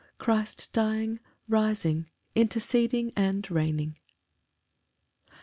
Christ dying, rising, interceding, and reigning.